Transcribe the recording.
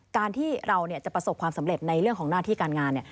การที่เราจะประสบความสำเร็จในเรื่องของหน้าที่การงาน